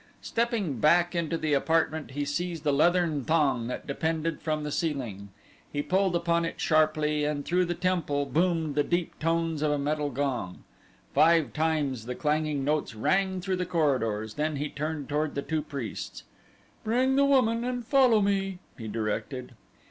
Stepping back into the apartment he seized a leathern thong that depended from the ceiling. He pulled upon it sharply and through the temple boomed the deep tones of a metal gong. Five times the clanging notes rang through the corridors, then he turned toward the two priests. "Bring the woman and follow me," he directed.